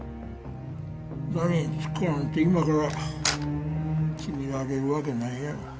誰につくかなんて今から決められるわけないやろ。